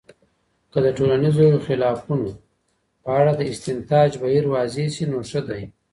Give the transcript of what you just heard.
که د ټولنیزو خلافونو په اړه د استنتاج بهیر واضحه سي، نو ښه دی.